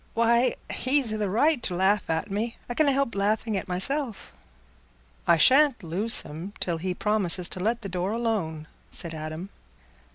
Why, he's i' the right to laugh at me—I canna help laughing at myself." "I shan't loose him till he promises to let the door alone," said Adam.